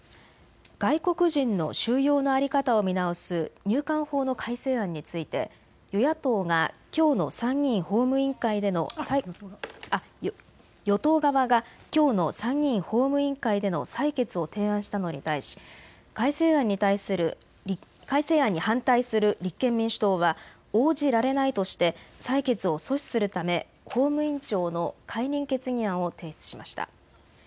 外国人の収容の在り方を見直す入管法の改正案について与党側がきょうの参議院法務委員会での採決を提案したのに対し、改正案に反対する立憲民主党は応じられないとして採決を阻止するため法務委員長の解任決議案を提出しました。